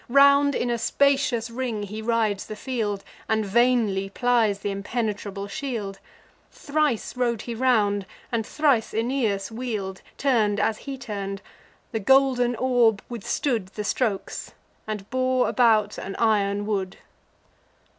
Round in a spacious ring he rides the field, And vainly plies th' impenetrable shield. Thrice rode he round; and thrice Aeneas wheel'd, Turn'd as he turn'd: the golden orb withstood The strokes, and bore about an iron wood.